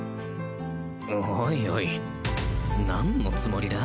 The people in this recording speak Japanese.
おいおい何のつもりだ？